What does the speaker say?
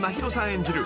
演じる